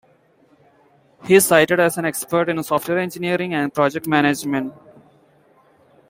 He is cited as an expert in software engineering and project management.